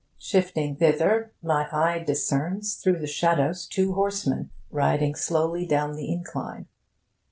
Shifting thither, my eye discerns through the shadows two horsemen, riding slowly down the incline.